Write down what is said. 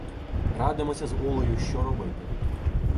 Радимося з Олею, що робити.